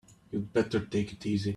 You'd better take it easy.